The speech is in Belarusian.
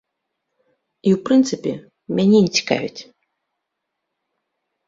І, у прынцыпе, мяне не цікавіць.